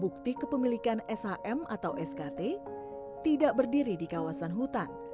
bukti kepemilikan shm atau skt tidak berdiri di kawasan hutan